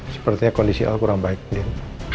sepertinya kondisi al kurang baik